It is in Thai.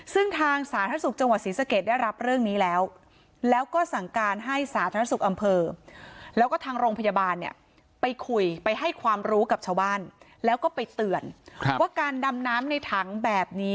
ซึ่งทางสาธารณสุขจังหวัดศรีสะเกดได้รับเรื่องนี้แล้วแล้วก็สั่งการให้สาธารณสุขอำเภอ